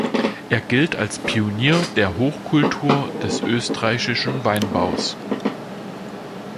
Er gilt als Pionier der Hochkultur des österreichischen Weinbaues.